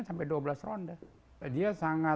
tahun dua ribu tujuh belas hingga lima puluh empat